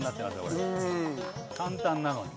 簡単なのに。